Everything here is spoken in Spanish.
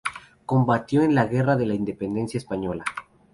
Combatió en la Guerra de la Independencia Española.